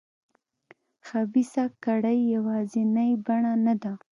خبیثه کړۍ یوازینۍ بڼه نه ده.